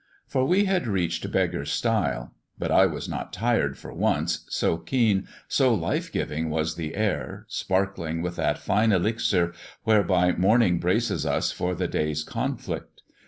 For we had reached Beggar's Stile. But I was not tired for once, so keen, so life giving was the air, sparkling with that fine elixir whereby morning braces us for the day's conflict.